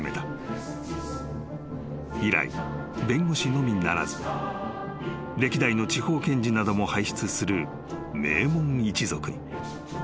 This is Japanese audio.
［以来弁護士のみならず歴代の地方検事なども輩出する名門一族に］